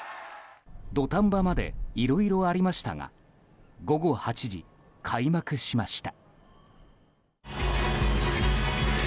土壇場までいろいろありましたが午後８時、開幕しました。